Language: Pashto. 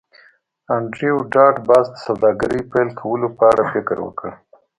انډریو ډاټ باس د سوداګرۍ پیل کولو په اړه فکر وکړ